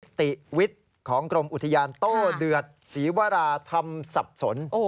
ติวิทย์ของกรมอุทยานโต้เดือดศรีวราธรรมสับสน